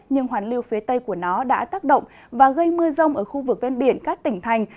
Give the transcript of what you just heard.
nhưng hoàn lưu phía tây của nó đã tác động và gây mưa rông ở khu vực ven biển các tỉnh thành